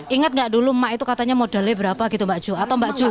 ingat nggak dulu emak itu katanya modalnya berapa gitu mbak ju atau mbak ju